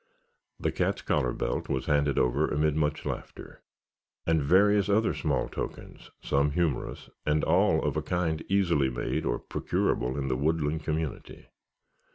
The cat's collar belt was handed over amid much laughter, and various other small tokens, some humorous and all of a kind easily made or procurable in the woodland community.